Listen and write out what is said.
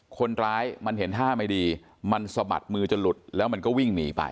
คนร้ายมันเห็นท่าไม่ดีมันสะบัดมือจนหลุดแล้วมันก็วิ่งหนีไป